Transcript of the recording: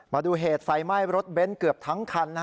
มาดูเหตุไฟไหม้รถเบนท์เกือบทั้งคัน